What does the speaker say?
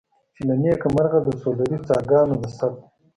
چې له نیکه مرغه د سولري څاګانو د ثبت.